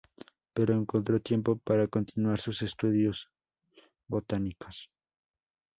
Pero encontró tiempo para continuar sus estudios botánicos.